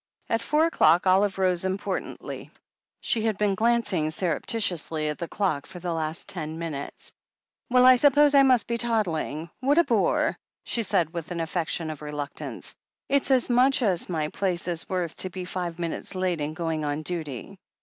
At four o'clock Olive rose importantly. She had been glancing surreptitiously at the clock for the last ten minutes. "Well, I suppose I must be toddling. What a bore !" she said with an affectation of reluctance. "It's as much as my place is worth to be five minutes late in going on duty."